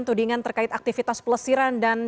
tudingan terkait aktivitas pelesiran dan